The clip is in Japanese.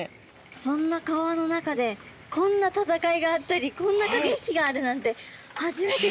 そんな川の中でこんな戦いがあったりこんなかけ引きがあるなんて初めて知りました。